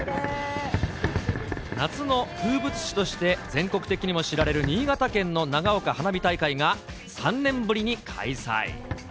夏の風物詩として全国的にも知られる、新潟県の長岡花火大会が、３年ぶりに開催。